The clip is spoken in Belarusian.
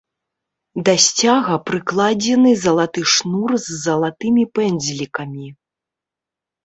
Да сцяга прыкладзены залаты шнур з залатымі пэндзлікамі.